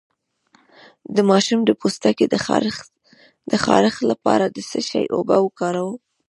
د ماشوم د پوستکي د خارښ لپاره د څه شي اوبه وکاروم؟